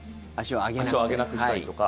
足を上げなくしたりとか。